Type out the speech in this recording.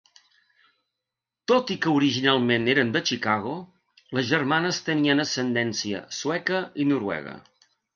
Tot i que originalment eren de Chicago, les germanes tenien ascendència sueca i noruega.